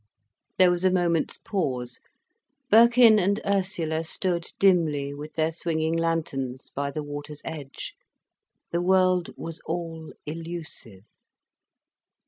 There was a moment's pause. Birkin and Ursula stood dimly, with their swinging lanterns, by the water's edge. The world was all illusive.